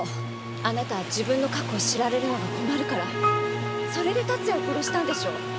あなたは自分の過去を知られるのが困るからそれで龍哉を殺したんでしょ？